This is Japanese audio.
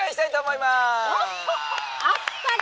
「あっぱれ！」。